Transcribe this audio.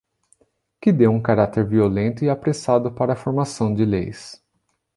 Que deu um caráter violento e apressado para a formação de leis.